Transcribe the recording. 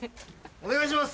お願いします！